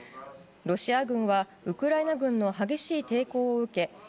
ロシア軍はウクライナ軍の激しい抵抗を受け